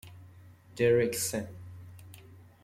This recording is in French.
Derrick St.